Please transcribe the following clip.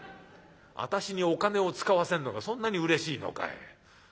私にお金を使わせるのがそんなにうれしいのかい。